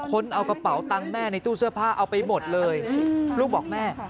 คนเอากระเป๋าตังค์แม่ในตู้เสื้อผ้าเอาไปหมดเลยลูกบอกแม่